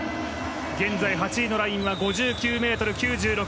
現在８位のラインは５６ｍ９６。